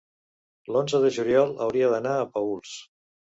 l'onze de juliol hauria d'anar a Paüls.